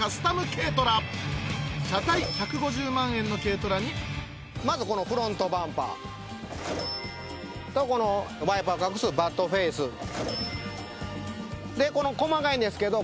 軽トラ車体１５０万円の軽トラにまずこのフロントバンパーとこのワイパー隠すバッドフェイスで細かいんですけど